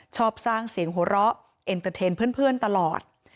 ชอบสร้างเสียงหัวเราะเอ็นเตอร์เทนเพื่อนตลอด